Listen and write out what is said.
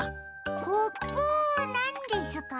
コプなんですか？